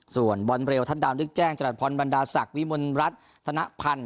ส่วนบอลเร็วทัศดาวนึกแจ้งจรัสพรบรรดาศักดิ์วิมลรัฐธนพันธ์